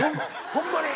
ホンマに。